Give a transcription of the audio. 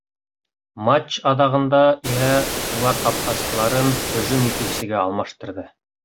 Матч аҙағында иһә улар ҡапҡасыларын һөжүм итеүсегә алмаштырҙы.